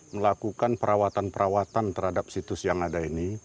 melakukan perawatan perawatan terhadap situs yang ada ini